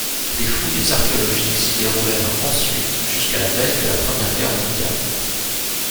Des fouilles archéologiques s'y déroulèrent ensuite jusqu'à la veille de la Première Guerre mondiale.